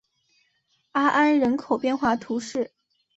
阿安人口变化图示